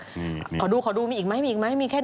นี่เนี่ยขอดูมีอีกไหมแค่นี้เหรอ